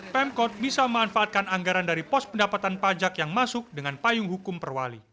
pemkot bisa memanfaatkan anggaran dari pos pendapatan pajak yang masuk dengan payung hukum perwali